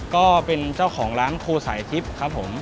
ก็เป็นเจ้าของร้านโคสายทิพย์ครับผม